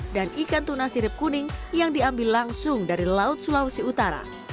dan ikan tuna sirip kuning yang diambil langsung dari laut sulawesi utara